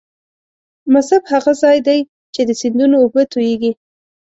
مصب هغه ځاي دې چې د سیندونو اوبه تویږي.